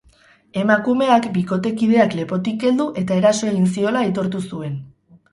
Emakumeak bikotekideak lepotik heldu eta eraso egin ziola aitortu zuen.